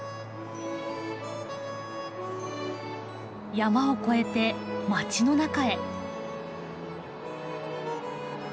山を越えて街の中へ。